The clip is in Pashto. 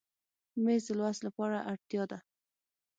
مېز د لوست لپاره اړتیا ده.